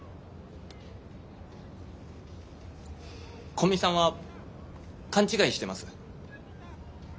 古見さんは勘違いしてます。